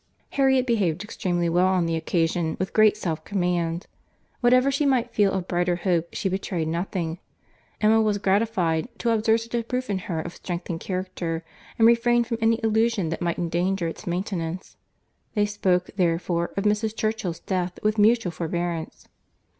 Harriet behaved extremely well on the occasion, with great self command. What ever she might feel of brighter hope, she betrayed nothing. Emma was gratified, to observe such a proof in her of strengthened character, and refrained from any allusion that might endanger its maintenance. They spoke, therefore, of Mrs. Churchill's death with mutual forbearance.